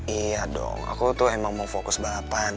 iya dong aku tuh emang mau fokus balapan